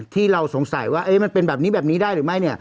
ที่เราสงสัยว่ามันเป็นแบบนี้แบบนี้ได้หรือไม่